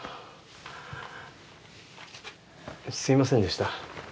すいませんでした。